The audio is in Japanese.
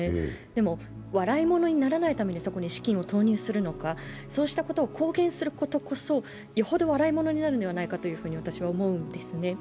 でも笑いものにならないためにそこに資金を投入するのか、そうしたことを公言することこそよほど笑いものになると私は思うんですね。